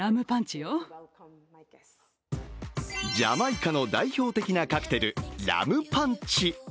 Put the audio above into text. ジャマイカの代表的なカクテル、ラムパンチ。